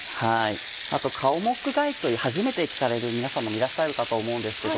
あとカオモックガイという初めて聞かれる皆さんもいらっしゃるかと思うんですけど。